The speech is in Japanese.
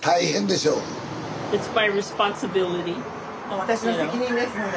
私の責任ですので。